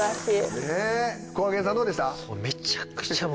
こがけんさんどうでした？